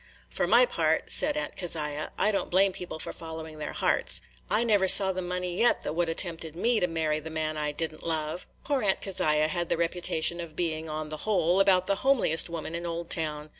"For my part," said Aunt Keziah, "I can't blame people for following their hearts. I never saw the money yet that would 'a' tempted me to marry the man I did n't love." Poor Aunt Keziah had the reputation of being, on the whole, about the homeliest woman in Oldtown.